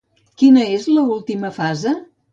Quina és l'última fase?